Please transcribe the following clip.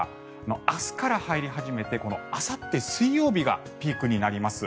明日から入り始めてあさって水曜日がピークになります。